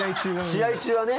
試合中はね